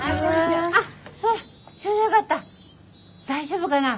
大丈夫かな？